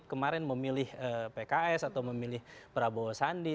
kemarin memilih pks atau memilih prabowo sandi